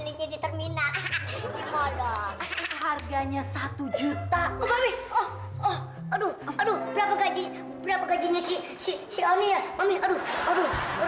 régis berapa gaji berapa gaji ngisi ngisi